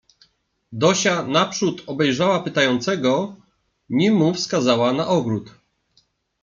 "Dosia naprzód obejrzała pytającego, nim mu wskazała na ogród..."